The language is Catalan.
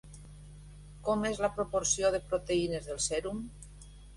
Com és la proporció de proteïnes del sèrum?